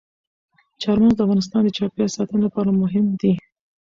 چار مغز د افغانستان د چاپیریال ساتنې لپاره مهم دي.